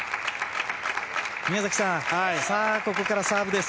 宮崎さん、ここからサーブです。